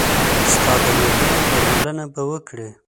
ستا د مېرمنې درملنه به وکړي.